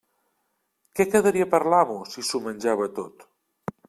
Què quedaria per a l'amo si s'ho menjava tot?